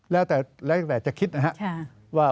แล้วแต่จะคิดนะครับว่า